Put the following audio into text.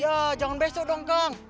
ya jangan besok dong kang